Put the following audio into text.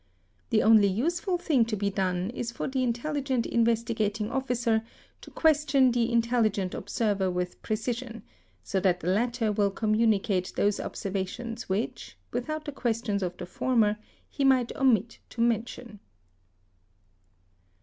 'The only useful thing to be done is for the intelligent Investigating Officer to question the intelligent observer | with precision; so that the latter will communicate those observa | tions which, without the questions of the former, he might omit to mention.